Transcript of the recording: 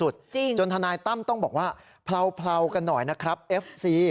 จนทนายตั้มต้องบอกว่าเผลากันหน่อยนะครับเอฟซี